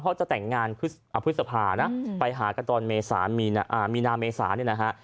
เพราะจะแต่งงานพฤษภานะไปหากันตอนมีนาเมษาเนี่ยนะฮะ